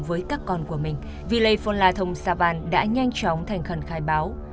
với các con của mình villei phonla thong savan đã nhanh chóng thành khẩn khai báo